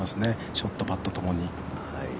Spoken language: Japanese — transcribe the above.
ショット、パットともに。